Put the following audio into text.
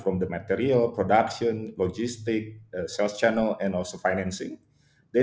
mulai dari material produksi logistik channel jualan dan juga pengembangan